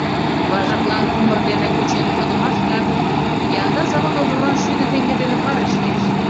Важыклан кумыр дене кучен кодымаш-гак янда завод озалан шӱдӧ теҥге дене парыш лиеш...